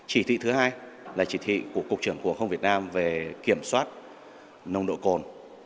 chỉ thị thứ hai là chỉ thị của cục trưởng cục hàng không việt nam về kiểm soát nồng độ cồn